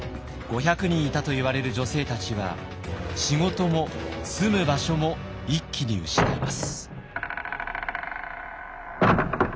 ５００人いたといわれる女性たちは仕事も住む場所も一気に失います。